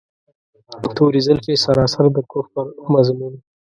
توري زلفې سراسر د کفر مضمون.